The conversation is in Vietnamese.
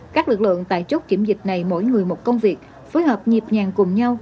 các lực lượng tại chốt kiểm dịch này mỗi người một công việc phối hợp nhịp nhàng cùng nhau